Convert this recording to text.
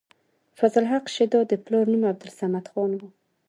فضل حق شېدا د پلار نوم عبدالصمد خان وۀ